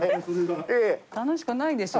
楽しくないでしょ